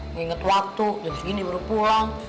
mengingat waktu jam segini baru pulang